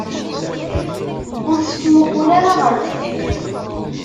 Ur tettmuqqul ara ɣer deffir.